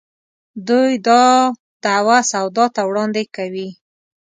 دوی دا دعوه سودا ته وړاندې کوي.